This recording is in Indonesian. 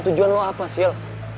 tujuan lo apa sil